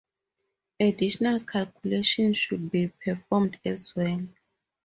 Additional calculations should be performed as well.